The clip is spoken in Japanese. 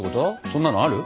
そんなのある？